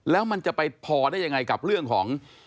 แล้วมันจะไปพอได้ยังไงกับเรื่องของ